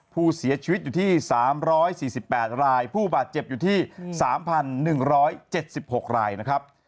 ผู้เสียชีวิตอยู่ที่๓๔๘รายผู้บาดเจ็บอยู่ที่๓๑๗๖รายนะครับ